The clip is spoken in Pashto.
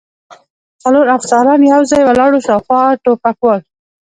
څلور افسران یو ځای ولاړ و، شاوخوا ټوپکوال.